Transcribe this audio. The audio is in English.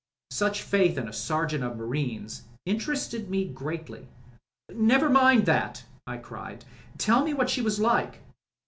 Such faith in a Sergeant of Marines interested me greatly. "Never mind about that," I cried. "Tell me what she was like."